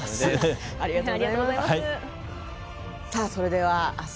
ありがとうございます。